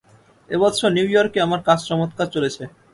এ বৎসর নিউ ইয়র্কে আমার কাজ চমৎকার চলেছে।